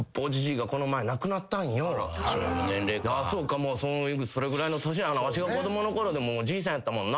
そうかもうそれぐらいの年わしが子供の頃でもうじいさんやったもんな。